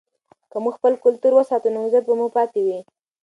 که موږ خپل کلتور وساتو نو عزت به مو پاتې وي.